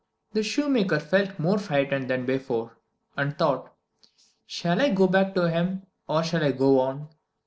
The shoemaker felt more frightened than before, and thought, "Shall I go back to him, or shall I go on?